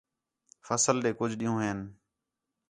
فصل ݙے کُج ݙِین٘ہوں ہین